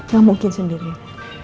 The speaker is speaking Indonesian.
gak mungkin sendirian